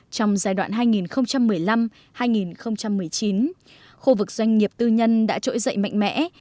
trong giai đoạn hai nghìn một mươi năm hai nghìn một mươi chín khu vực doanh nghiệp tư nhân đã trỗi dậy mạnh mẽ